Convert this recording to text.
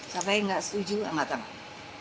sampai nggak setuju enggak tanggung